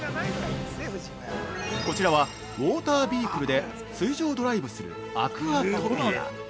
こちらは、ウォータービークルで水上ドライブする「アクアトピア」。